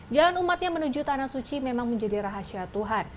jalan umatnya menuju tanah suci memang menjadi rahasia tuhan